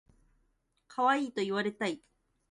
かわいいと言われたい